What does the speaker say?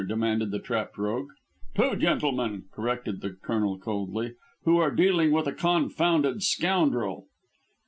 demanded the trapped rogue. "Two gentlemen," corrected the Colonel coldly, "who are dealing with a confounded scoundrel."